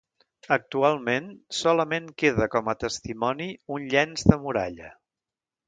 Actualment solament queda com a testimoni un llenç de muralla.